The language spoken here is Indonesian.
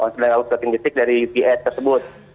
sedang ada keping pik dari ups tersebut